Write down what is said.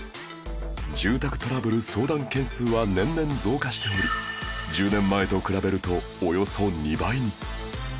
住宅トラブル相談件数は年々増加しており１０年前と比べるとおよそ２倍に